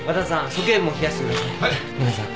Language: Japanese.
鼠径部も冷やしてください。